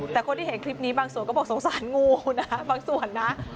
แต่คนที่เห็นคลิปนี้บางส่วนก็บอกสงสารงูนะบางส่วนนะ